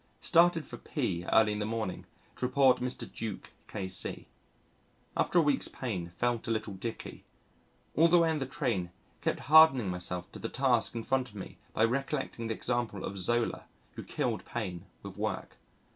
Started for P early in the morning to report Mr. Duke, K.C. After a week's pain, felt a little dicky. All the way in the train kept hardening myself to the task in front of me by recollecting the example of Zola, who killed pain with work.